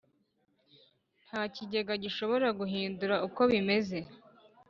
Nta Kigega Gishobora Guhindura uko bimeze